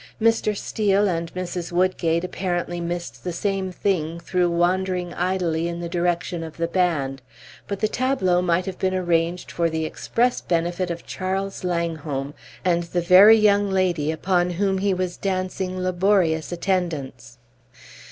Mr. Steel and Mrs. Woodgate apparently missed the same thing through wandering idly in the direction of the band; but the tableau might have been arranged for the express benefit of Charles Langholm and the very young lady upon whom he was dancing laborious attendance.